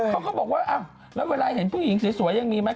เขาก็บอกว่าอ้าวแล้วเวลาเห็นผู้หญิงสวยยังมีไหม